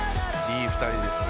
いい２人ですね。